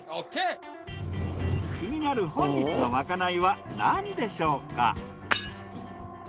気になる本日のまかないは何でしょうか？